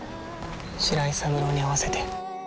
白井三郎に会わせて。